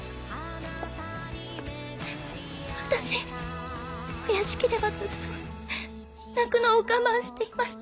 私お屋敷ではずっと泣くのを我慢していました。